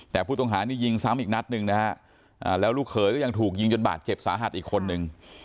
แต่ผู้ต้องหานี่ยิงซ้ำอีกนัดหนึ่งนะฮะแล้วลูกเขยก็ยังถูกยิงจนบาดเจ็บสาหัสอีกคนนึง